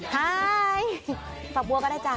หายฝากบัวก็ได้จ้